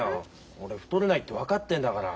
俺太れないって分かってるんだから。